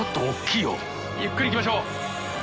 畋爾気ゆっくりいきましょう。